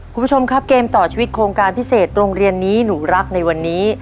คุณผู้ชมครับเกมต่อชีวิตโครงการพิเศษโรงเรียนนี้หนูรักในวันนี้